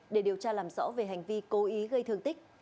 để điều tra làm rõ về hành vi cố ý gây thương tích